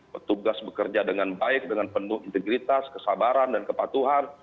petugas bekerja dengan baik dengan penuh integritas kesabaran dan kepatuhan